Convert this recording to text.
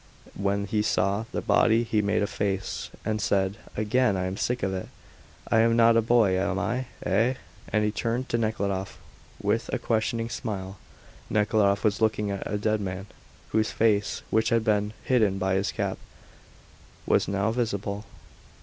When he saw the body he made a face, and said, "Again! I am sick of it. I am not a boy, am I, eh?" and he turned to Nekhludoff with a questioning smile. Nekhludoff was looking at the dead man, whose face, which had been hidden by his cap, was now visible.